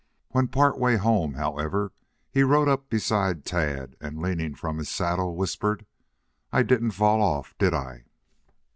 When part way home, however, he rode up beside Tad, and leaning from his saddle, whispered, "I didn't fall off, did I?"